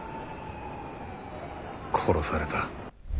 殺された。